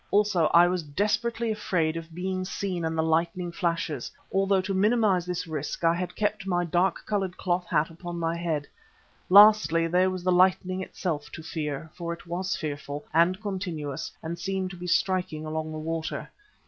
Also I was desperately afraid of being seen in the lightning flashes, although to minimise this risk I had kept my dark coloured cloth hat upon my head. Lastly there was the lightning itself to fear, for it was fearful and continuous and seemed to be striking along the water.